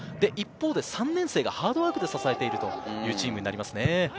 一方で３年生がハードワークで支えているというチームになります。